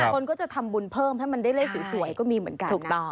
คนก็จะทำบุญเพิ่มให้มันได้เลขสวยก็มีเหมือนกัน